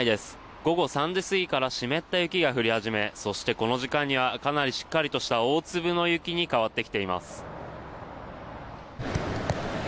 午後３時過ぎから湿った雪が降り始めそして、この時間にはかなりしっかりとした大粒の雪に変わってきています。